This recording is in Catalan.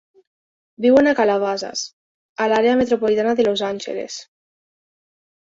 Viuen a Calabasas, a l'àrea metropolitana de Los Angeles.